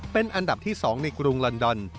เป็นอันดับที่๒ในกรุงลอนดอน